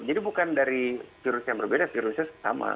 jadi bukan dari virus yang berbeda virusnya sama